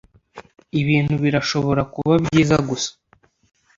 ibintu birashobora kuba byiza gusa